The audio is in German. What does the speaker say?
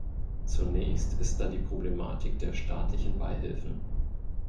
Zunächst ist da die Problematik der staatlichen Beihilfen.